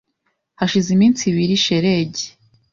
Hashize iminsi ibiri shelegi.